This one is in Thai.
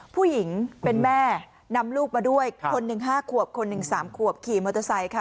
ผู้หญิงเป็นแม่นำลูกมาด้วยคนหนึ่ง๕ขวบคนหนึ่ง๓ขวบขี่มอเตอร์ไซค์ค่ะ